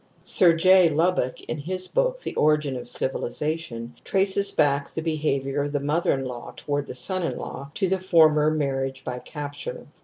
Sir J. Lubbock, in his book The Origin of Civilization^ traces back the behaviour of the mother in law toward the son in law to the former ' marriage by capture